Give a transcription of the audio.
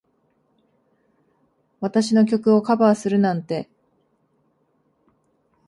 私の曲をカバーするなんて。